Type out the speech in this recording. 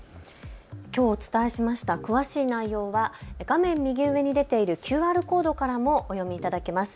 きょうお伝えしました詳しい内容は画面右上に出ているＱＲコードからもお読みいただけます。